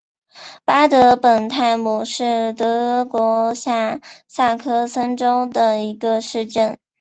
巴德本泰姆是德国下萨克森州的一个市镇。